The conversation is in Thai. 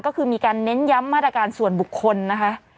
ก็คือมีการเน้นย้ำมาตรการส่วนบุคคลนะคะ